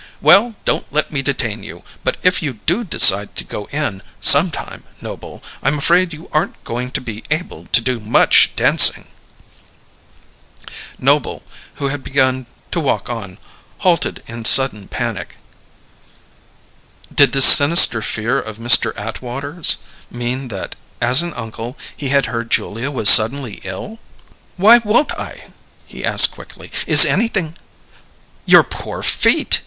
Well, don't let me detain you. But if you do decide to go in, some time, Noble, I'm afraid you aren't going to be able to do much dancing." Noble, who had begun to walk on, halted in sudden panic. Did this sinister fear of Mr. Atwater's mean that, as an uncle, he had heard Julia was suddenly ill? "Why won't I?" he asked quickly. "Is anything " "Your poor feet!"